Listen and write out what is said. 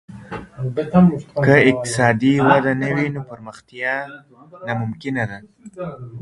که اقتصادي وده نه وي نو پرمختيا ناممکنه ده.